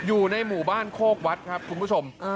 อยู่ในหมู่บ้านโคกวัดครับคุณผู้ชม